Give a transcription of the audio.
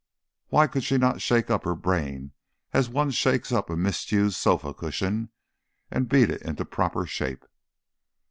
Why could not she shake up her brain as one shakes up a misused sofa cushion and beat it into proper shape?